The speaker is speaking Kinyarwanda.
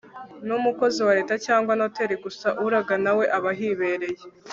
n'umukozi wa leta cyangwa noteri, gusa uraga nawe aba ahibereye